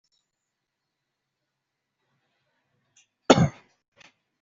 Todos los fundadores habían dejado la compañía antes de fusionarse con Monolith.